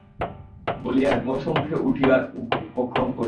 বলিয়া বিমর্ষমুখে উঠিবার উপক্রম করিল।